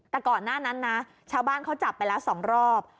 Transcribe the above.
แต่ก่อนหน้านั้นนะชาวบ้านเขาจับไปแล้ว๒รอบ